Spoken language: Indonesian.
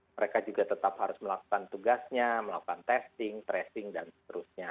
mereka juga tetap harus melakukan tugasnya melakukan testing tracing dan seterusnya